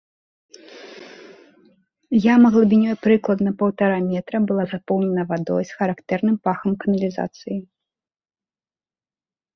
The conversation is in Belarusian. Яма глыбінёй прыкладна паўтара метра была запоўненая вадой з характэрным пахам каналізацыі.